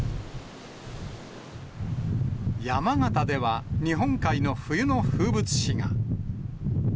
山形では、日本海の冬の風物詩が。